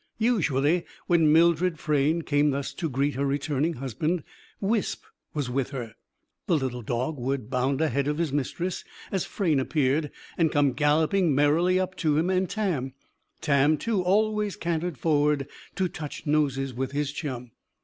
Usually, when Mildred Frayne came thus to greet her returning husband, Wisp was with her. The little dog would bound ahead of his mistress, as Frayne appeared; and come galloping merrily up to him and Tam. Tam, too, always cantered forward to touch noses with his chum.